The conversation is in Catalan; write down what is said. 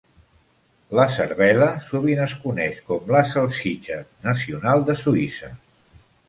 La cervelat sovint es coneix com la salsitxa nacional de Suïssa.